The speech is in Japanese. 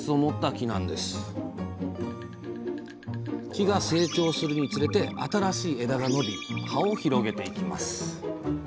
木が成長するにつれて新しい枝が伸び葉を広げていきます。